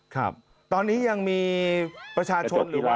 ครับตอนนี้ยังมีประชาชนหรือว่า